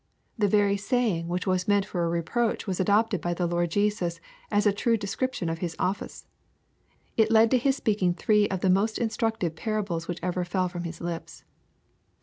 The very Baying which was meant for a reproacli was adopted by the Lord Jesus as a true description of His office. It led to His speaking three of the most instructive para bles which ever fell from His lips.